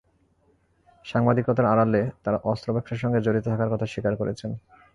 সাংবাদিকতার আড়ালে তাঁরা অস্ত্র ব্যবসার সঙ্গে জড়িত থাকার কথা স্বীকার করেছেন।